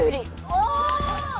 お！